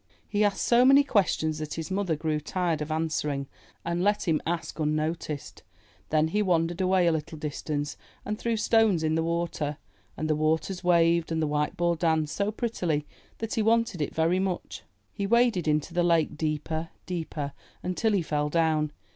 '* He asked so many questions that his mother grew tired of answering and let him ask unnoticed. Then he wandered away a little distance and threw stones in the water. And the waters waved and the white ball danced so prettily that he wanted it very much. He waded into the lake, deeper, deeper, until he fell down.